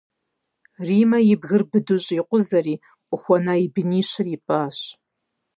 Риммэ и бгыр быдэу щӏикъузэри, къыхуэна и бынищыр ипӏащ.